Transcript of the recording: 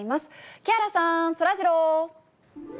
木原さん、そらジロー。